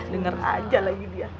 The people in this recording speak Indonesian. dengar aja lagi dia